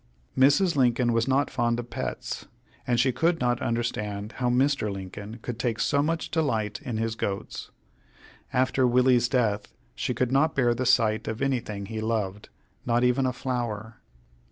Mrs. Lincoln was not fond of pets, and she could not understand how Mr. Lincoln could take so much delight in his goats. After Willie's death, she could not bear the sight of anything he loved, not even a flower.